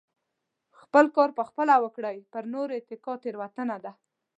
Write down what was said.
خپل کار په خپله وکړئ پر نورو اتکا تيروتنه ده .